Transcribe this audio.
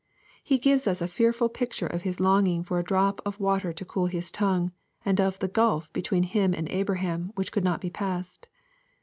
He gives us a fearful picture of his longing for a drop of " water to cool his tongue," and of " the gulf between him and Abraham, which could not be passed.